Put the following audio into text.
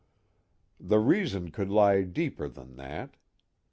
The reason could lie deeper than that.